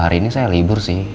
hari ini saya libur sih